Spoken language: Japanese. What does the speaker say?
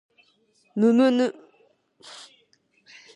むむぬ